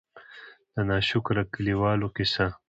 د نا شکره کلي والو قيصه :